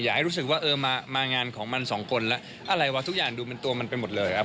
ให้รู้สึกว่าเออมางานของมันสองคนแล้วอะไรวะทุกอย่างดูเป็นตัวมันไปหมดเลยครับ